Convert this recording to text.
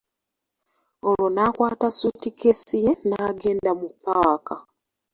Olwo n'akwata suutikeesi ye n'agenda mu paaka.